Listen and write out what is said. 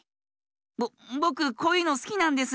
ぼぼくこういうのすきなんです。